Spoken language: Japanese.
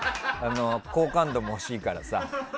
好感度も欲しいからさ。